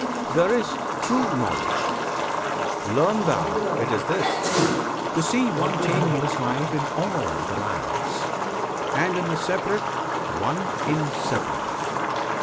There is "true" Knowledge. Learn thou it is this: To see one changeless Life in all the Lives, And in the Separate, One Inseparable.